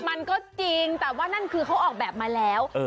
มันก็จริงแต่ว่านั่นคือเขาออกแบบมาแล้ว